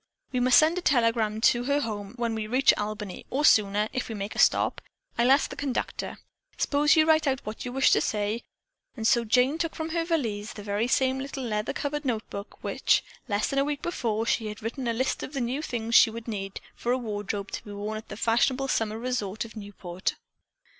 "We must send a telegram to her home when we reach Albany, or sooner, if we make a stop. I'll ask the conductor. Suppose you write out what you wish to say." And so Jane took from her valise the very same little leather covered notebook in which, less than a week before, she had written a list of the things she would need for a wardrobe to be worn at the fashionable summer resort at Newport.